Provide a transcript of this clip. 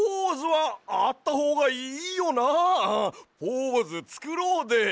ポーズつくろうで！